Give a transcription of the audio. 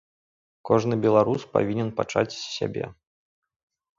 Кожны беларус павінен пачаць з сябе.